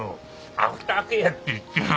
アフターケアって言ってよ。